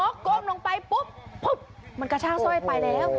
โกงลงไปปุ๊บมันกระชากสร้อยไปแล้วโอ้โห